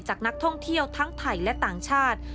จากนักท่องเที่ยวทั้งไทยและต่างชาติ